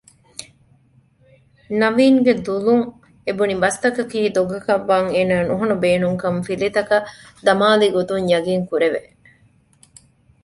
ނަޥީންގެ ދުލުން އެބުނިބަސްތަކަކީ ދޮގަކަށްވާން އޭނާ ނުހަނު ބޭނުންކަން ފިލިތަކަށް ދަމާލިގޮތުން ޔަގީންކުރެވެ